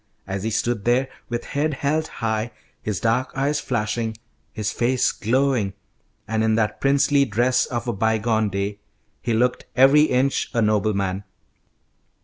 As he stood there, with head held high, his dark eyes flashing, his face glowing, and in that princely dress of a bygone day, he looked every inch a nobleman.